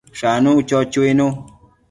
Shanu, cho chuinu